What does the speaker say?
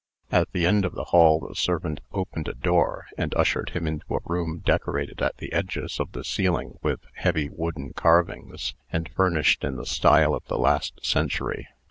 At the end of the hall the servant opened a door, and ushered him into a room decorated at the edges of the ceiling with heavy wooden carvings, and furnished in the style of the last century.